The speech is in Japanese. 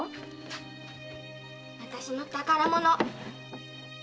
私の宝物。